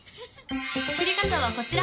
作り方はこちら。